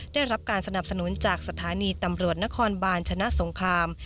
ได้รับการสนับสนุนจากสถานีตำรวจนครบาลชนะสงคราม